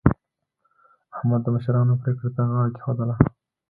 احمد د مشرانو پرېکړې ته غاړه کېښودله.